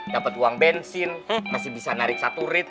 dapat uang bensin masih bisa narik satu rit